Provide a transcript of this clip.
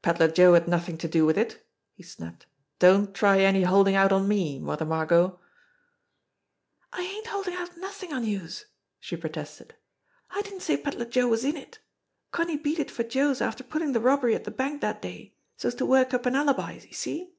"Pedler Joe had nothing to do with it!" he snapped. ''Don't try any holding out on me, Mother Margot !" "I ain't holdin' out nothin' on youse," she protested. "I didn't say Pedler Joe was in it. Connie beat it for Joe's after pullin' de robbery at de bank dat day, so's to work up an alibi see?